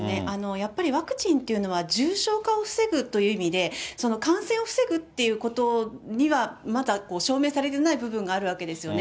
やっぱりワクチンっていうのは、重症化を防ぐという意味で、感染を防ぐっていうことには、まだ証明されてない部分があるわけですよね。